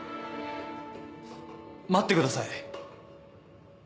待ってください。